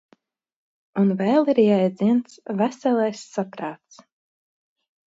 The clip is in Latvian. Un vēl ir jēdziens "veselais saprāts".